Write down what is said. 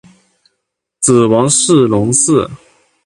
子王士隆嗣。